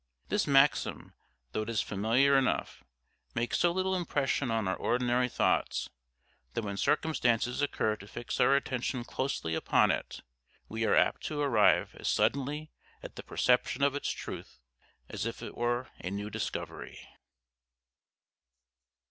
This maxim, though it is familiar enough, makes so little impression on our ordinary thoughts, that when circumstances occur to fix our attention closely upon it we are apt to arrive as suddenly at the perception of its truth as if it were a new discovery.